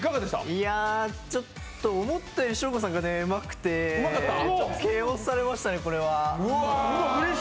いやちょっと思ったよりショーゴさんがうまくて蹴落とされましたね、これは。